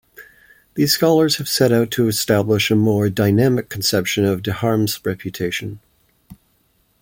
These scholars have set out to establish a more dynamic conception of Deharme's reputation.